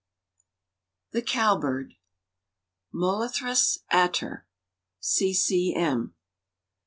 ] THE COWBIRD. (Molothrus ater.) C. C. M.